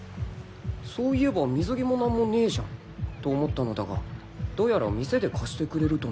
［そういえば水着も何もねえじゃんと思ったのだがどうやら店で貸してくれるとのことだった］